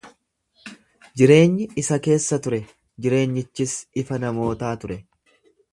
Jireenyi isa keessa ture, jireenyichis ifa namootaa ture.